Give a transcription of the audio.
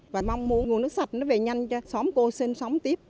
và mong muốn nguồn nước sạch nó về nhanh cho xóm cô xin xóm tiếp